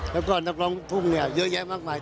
แล้วก็นักร้องลูกทุ่งเนี่ยเยอะแยะมากมาย